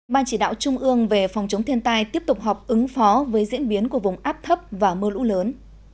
ban chỉ đạo trung ương về phòng chống thiên tai tiếp tục họp ứng phó với diễn biến của vùng áp thấp và mưa lũ lớn